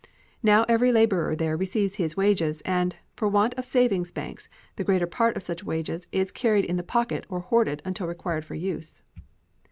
Now every laborer there receives his wages, and, for want of savings banks, the greater part of such wages is carried in the pocket or hoarded until required for use.